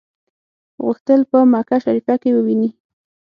غوښتل په مکه شریفه کې وویني.